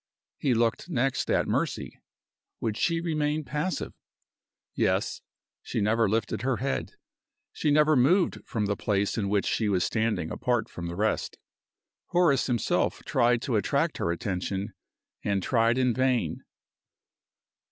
He looked next at Mercy. Would she remain passive? Yes. She never lifted her head; she never moved from the place in which she was standing apart from the rest. Horace himself tried to attract her attention, and tried in vain.